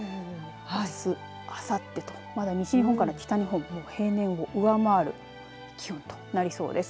あすあさってと西日本から北日本平年を上回る気温となりそうです。